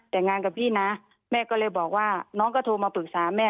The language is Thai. แต่งงานกับพี่นะแม่ก็เลยบอกว่าน้องก็โทรมาปรึกษาแม่